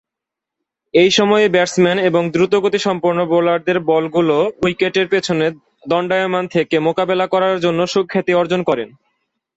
এ সময়েই ব্যাটসম্যান ও দ্রুতগতিসম্পন্ন বোলারদের বলগুলো উইকেটের পিছনে দণ্ডায়মান থেকে মোকাবেলা করার জন্যে সুখ্যাতি অর্জন করেন।